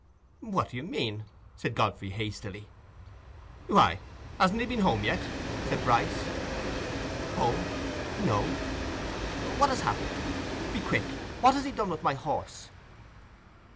"What do you mean?" said Godfrey, hastily. "Why, hasn't he been home yet?" said Bryce. "Home? no. What has happened? Be quick. What has he done with my horse?"